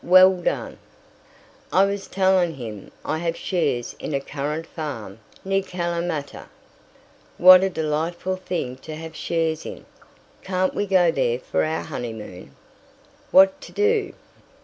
Well done." "I was telling him I have shares in a currant farm near Calamata. "What a delightful thing to have shares in! Can't we go there for our honeymoon?" "What to do?"